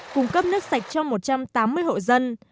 cung cấp nước sạch cho một trăm tám mươi hộ dân